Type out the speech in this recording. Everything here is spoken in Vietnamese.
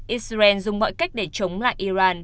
israel dùng mọi cách để chống lại iran